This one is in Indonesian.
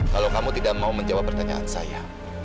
kalau kamu tidak mau menjawab pertanyaan saya